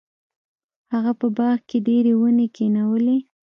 هغه په باغ کې ډیرې ونې کینولې.